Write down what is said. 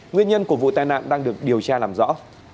nguyên nhân của vụ tai nạn đang được điều tra làm rõ